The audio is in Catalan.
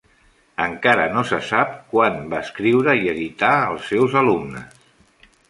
Encara no se sap quant van escriure i editar els seus alumnes.